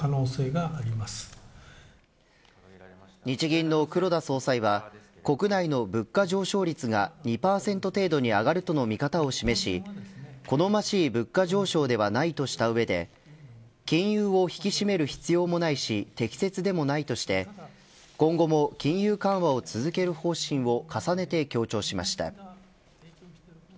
日銀の黒田総裁は国内の物価上昇率が２％程度に上がるとの見方を示し好ましい物価上昇ではないとした上で金融を引き締める必要もないし適切でもないとして今後も金融緩和を続ける方針を重ねて強調しました。